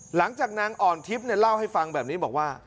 หลังจากนางอ่อนทิพย์เล่าให้ฟังแบบนี้บอกว่า